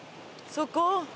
そこ？